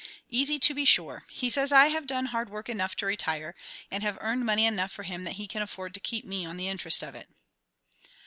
"Easy, to be sure. He says I have done hard work enough to retire, and have earned money enough for him that he can afford to keep me on the interest of it."